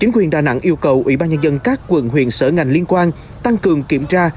quyền đà nẵng yêu cầu ủy ban nhân dân các quận huyện sở ngành liên quan tăng cường kiểm tra